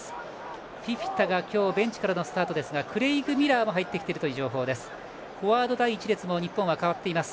フィフィタが今日ベンチからのスタートですがクレイグ・ミラーも入ってきているという情報です。